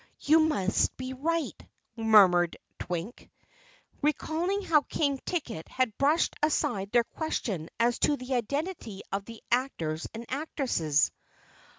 "You must be right," murmured Twink, recalling how King Ticket had brushed aside their question as to the identity of the actors and actresses.